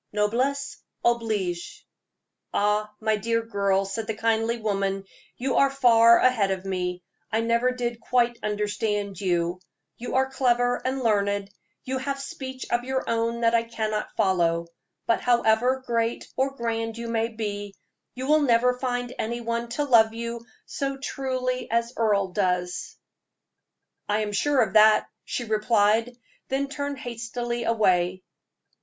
Noblesse oblige!" "Ah, my dear," said the kindly woman, "you are far ahead of me I never did quite understand you you are clever and learned; you have speech of your own that I cannot follow: but however great or grand you may be, you will never find any one to love you so truly as Earle does." "I am sure of that," she replied, then turned hastily away.